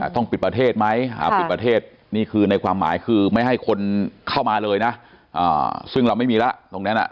ต้องปิดประเทศไหมปิดประเทศนี่คือในความหมายคือไม่ให้คนเข้ามาเลยนะซึ่งเราไม่มีแล้วตรงนั้น